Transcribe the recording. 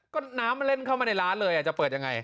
ก็น้ำมันเล่นเข้ามาในร้านเลยจะเปิดยังไง